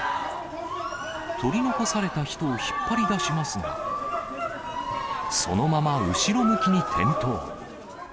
取り残された人を引っ張り出しますが、そのまま後ろ向きに転倒。